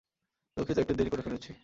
দুঃখিত, একটু দেরী করে ফেলেছি।